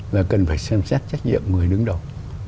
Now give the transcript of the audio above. là cần phải xem xét trách nhiệm người đứng đầu